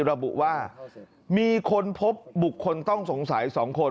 ระบุว่ามีคนพบบุคคลต้องสงสัย๒คน